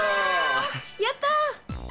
やった！